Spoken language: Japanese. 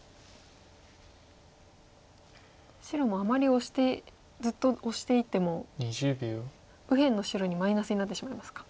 白もあまりオシてずっとオシていっても右辺の白にマイナスになってしまいますか。